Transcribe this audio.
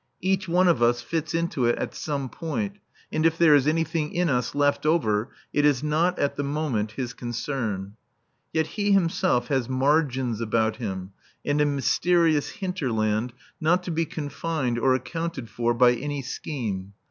Each one of us fits into it at some point, and if there is anything in us left over it is not, at the moment, his concern. Yet he himself has margins about him and a mysterious hinterland not to be confined or accounted for by any scheme.